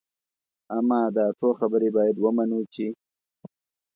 اما دا څو خبرې باید ومنو چې.